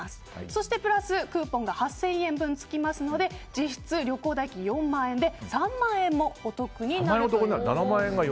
そして、プラスクーポンが８０００円分つきますので実質、旅行代金４万円で３万円もお得になるということです。